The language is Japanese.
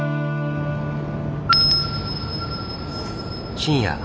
深夜。